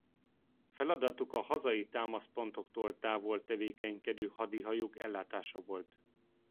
Feladatuk a hazai támaszpontoktól távol tevékenykedő hadihajók ellátása volt.